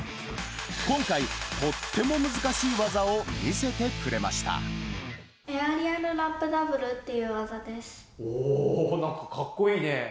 今回、とっても難しい技を見せてエアリアルラップダブルっておー、なんかかっこいいね。